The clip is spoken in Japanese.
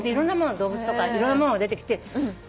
動物とかいろんなもんが出てきて。